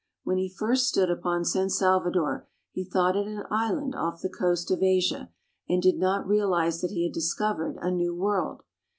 When he first stood upon San Salvador he thought it an island off the coast of Asia, and did not realize that he had discovered a new world.